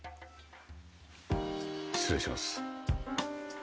失礼します。